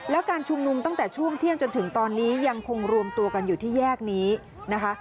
แล้วการชุมนุมตั้งแต่ช่วงเที่ยงจนถึงตอนนี้ยังคงรวมตัวกันอยู่ที่แยกนี้นะคะ